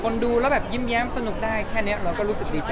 ดูแล้วแบบยิ้มแย้มสนุกได้แค่นี้เราก็รู้สึกดีใจ